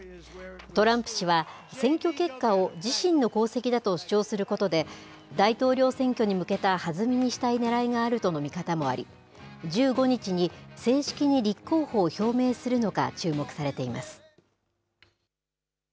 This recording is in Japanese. トランプ氏は、選挙結果を自身の功績だと主張することで、大統領選挙に向けた弾みにしたいねらいがあるとの見方もあり、１５日に正式に立候補を表明するのか注目されています。